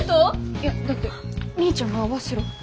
いやだってみーちゃんが会わせろって。